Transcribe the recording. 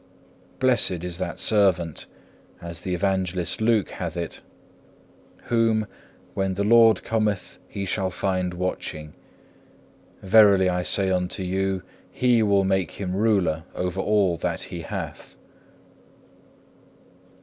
Blessed is that servant, as the Evangelist Luke hath it, whom, when the Lord cometh He shall find watching. Verily I say unto you He will make him ruler over all that He hath.